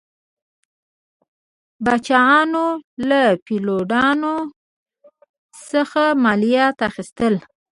پاچاهانو له فیوډالانو څخه مالیات اخیستل.